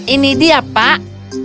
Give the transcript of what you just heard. ini dia pak